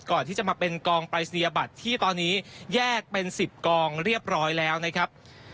ก่อนที่จะมาเป็นกองปรายศนียบัตรที่ตอนนี้แยกเป็น๑๐กองเรียบร้อยแล้วนะครับ